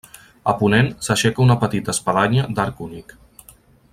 A ponent s'aixeca una petita espadanya d'arc únic.